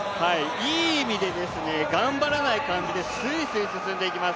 いい意味で頑張らない感じですいすい進んでいきます。